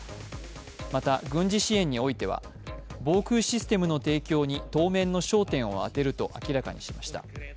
また軍事支援においては防空システムの提供に当面の焦点を当てると明らかにしました。